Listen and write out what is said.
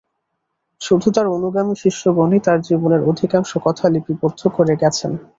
শুধু তাঁর অনুগামী শিষ্যগণই তাঁর জীবনের অধিকাংশ কথা লিপিবদ্ধ করে গেছেন।